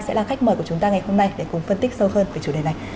sẽ là khách mời của chúng ta ngày hôm nay để cùng phân tích sâu hơn về chủ đề này